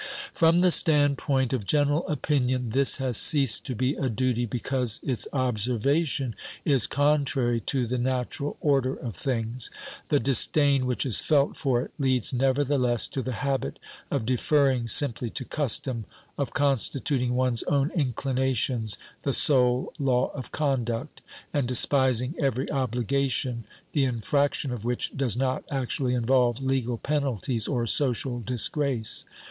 From the standpoint of general opinion, this has ceased to be a duty, because its observation is contrary to the natural order of things. The disdain which is felt for it leads nevertheless to the habit of deferring simply to custom, of constituting one's own inclinations the sole law of conduct, and despising every obligation, the infraction of which does not actually involve legal penalties or social disgrace.